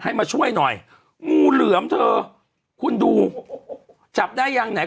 มาช่วยหน่อยงูเหลือมเธอคุณดูจับได้ยังไหน